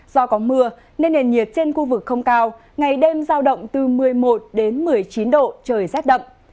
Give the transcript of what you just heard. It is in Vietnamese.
do có mưa nên nền nhiệt trên khu vực không cao ngày đêm giao động từ một mươi một đến một mươi chín độ trời rét đậm